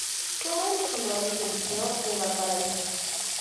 Fue uno de los fundadores del Liceo de Valparaíso.